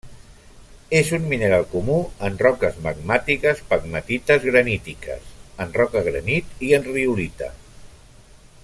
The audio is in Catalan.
És un mineral comú en roques magmàtiques pegmatites granítiques, en roca granit i en riolita.